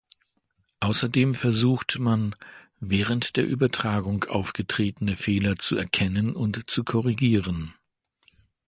Außerdem versucht man, während der Übertragung aufgetretene Fehler zu erkennen und zu korrigieren.